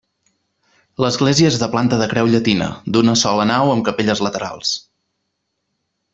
L'església és de planta de creu llatina, d'una sola nau amb capelles laterals.